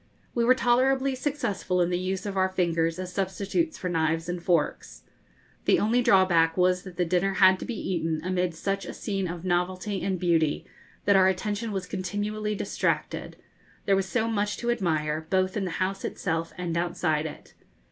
We were tolerably successful in the use of our fingers as substitutes for knives and forks. The only drawback was that the dinner had to be eaten amid such a scene of novelty and beauty, that our attention was continually distracted: there was so much to admire, both in the house itself and outside it.